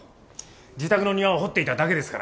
自宅の庭を掘っていただけですから。